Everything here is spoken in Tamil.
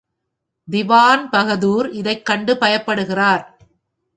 திவான் பகதூர் இதைக் கண்டு பயப்படுகிறார்.